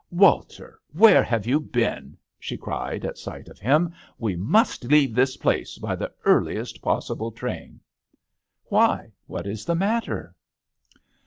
"Walter, where have you been ?" she cried, at sight of him. "We must leave this place by the earliest possible train." " Why, what is the matter